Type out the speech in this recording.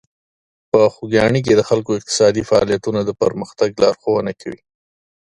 په خوږیاڼي کې د خلکو اقتصادي فعالیتونه د پرمختګ لارښوونه کوي.